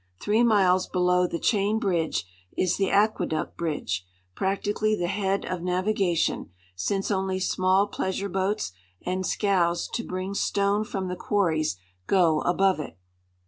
Three miles below the Chain bridge is the Aqueduct bridge, practically the head of navigation, since only small pleas ure boats and scows to bring stone from the quarries go above it.